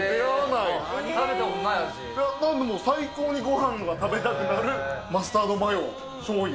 いや、もう最高にごはんが食べたくなる、マスタードマヨしょうゆ。